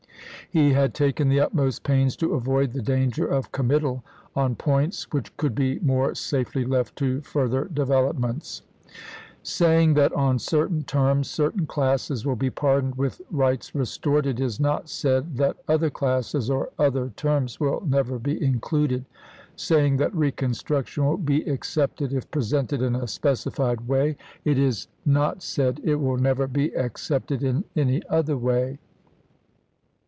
He had taken the utmost pains to avoid the danger of committal on points which could be more safely left to further develop ments. " Saying that on certain terms certain classes will be pardoned with rights restored, it is not said that other classes or other terms will Lincoln, never be included ; saying that reconstruction will Dece.88,af8663. be accepted if presented in a specified way, it is THE WADE DAVIS MANIFESTO 109 not said it will never be accepted in any other way."